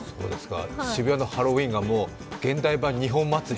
渋谷のハロウィーンが現代版日本祭り？